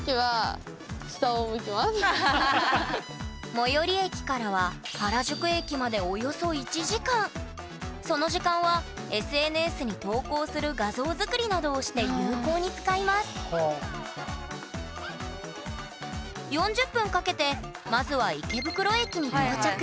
最寄り駅からは原宿駅までその時間はＳＮＳに投稿する画像作りなどをして有効に使います４０分かけてまずは池袋駅に到着。